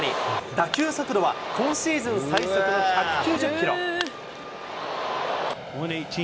打球速度は、今シーズン最速の１９０キロ。